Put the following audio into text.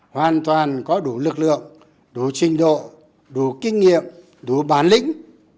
hoàn toàn có đủ lực lượng đủ trình độ đủ kinh nghiệm đủ bản lĩnh